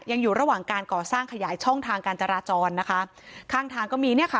อยู่ระหว่างการก่อสร้างขยายช่องทางการจราจรนะคะข้างทางก็มีเนี่ยค่ะ